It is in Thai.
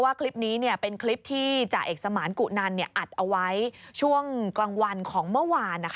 คลิปนี้เป็นคลิปที่จ่าเอกสมานกุนันอัดเอาไว้ช่วงกลางวันของเมื่อวาน